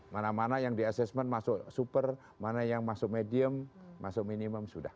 mana mana yang di assessment masuk super mana yang masuk medium masuk minimum sudah